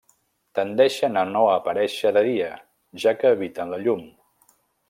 Tendeixen a no aparèixer de dia, ja que eviten la llum.